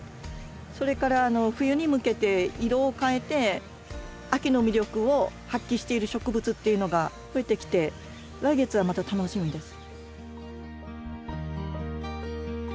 それから冬に向けて色を変えて秋の魅力を発揮している植物っていうのが増えてきて来月はまた楽しみです。